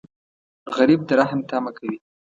غریب د رحم تمه کوي